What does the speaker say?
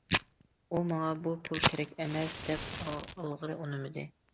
ئۇ، ماڭا بۇ پۇل كېرەك ئەمەس، دەپ ئالغىلى ئۇنىمىدى.